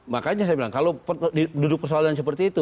makanya saya bilang kalau duduk persoalan seperti itu